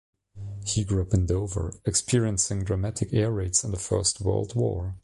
He grew up in Dover experiencing dramatic air raids in the first world war.